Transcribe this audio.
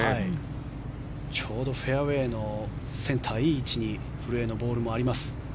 ちょうどフェアウェーのセンターいい位置に古江のボールもあります。